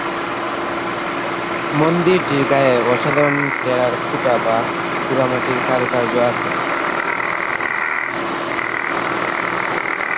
মন্দিরটির গায়ে অসাধারণ টেরাকোটা বা পোড়ামাটির কারুকার্য আছে।